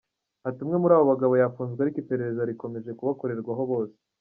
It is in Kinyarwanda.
Ati “Umwe muri abo bagabo yafunzwe ariko iperereza rikomeje kubakorerwaho bose”.